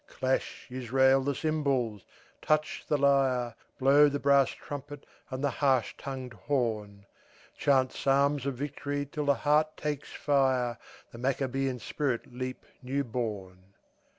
Clash, Israel, the cymbals, touch the lyre, Blow the brass trumpet and the harsh tongued horn; Chant psalms of victory till the heart takes fire, The Maccabean spirit leap new born.